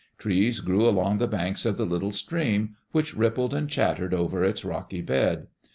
Trees grew along the banks of the little stream, which rippled and chattered over its rocky bed.